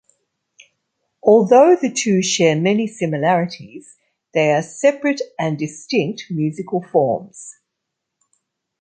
Although the two share many similarities, they are separate and distinct musical forms.